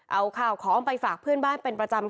เอาข้าวของไปฝากเพื่อนบ้านเป็นประจำ